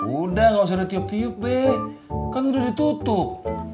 udah gak usah tiup tiup be kan udah ditutup